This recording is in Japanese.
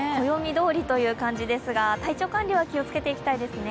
暦どおりという感じですが体調管理は気をつけていきたいですね。